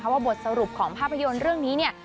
ว่าบทสรุปของภาพยนตร์เรื่องนี้เนี่ย